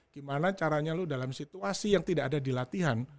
gimana caranya lu dalam situasi yang tidak ada di latihan